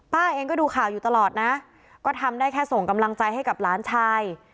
เองก็ดูข่าวอยู่ตลอดนะก็ทำได้แค่ส่งกำลังใจให้กับหลานชาย